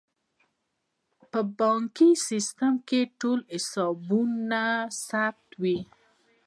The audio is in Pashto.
په بانکي سیستم کې ټول حسابونه ثبت وي.